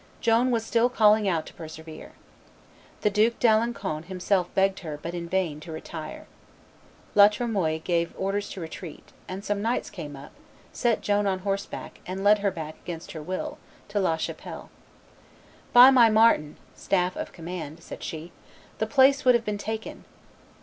Joan was still calling out to persevere. The Duke d'Alencon himself begged her, but in vain, to retire. La Tremoille gave orders to retreat; and some knights came up, set Joan on horse back, and led her back, against her will, to La Chapelle. "By my martin" (staff of command), said she, "the place would have been taken."